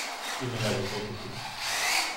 Ils ne l'avaient pas écoutée.